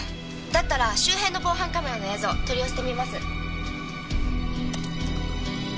だったら周辺の防犯カメラの映像取り寄せてみます。